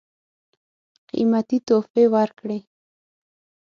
قېمتي تحفې ورکړې.